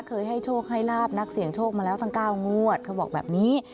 เคยให้โชคให้ลาบนักเสี่ยงโชคมาแล้วทั้ง๙งวดเขาบอกแบบนี้